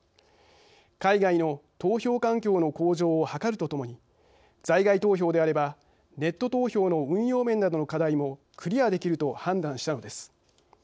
海外の投票環境の向上を図ると共に在外投票であればネット投票の運用面などの課題もクリアできると判断したのです。